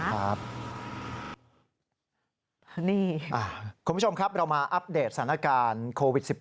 คุณผู้ชมครับเรามาอัปเดตสถานการณ์โควิด๑๙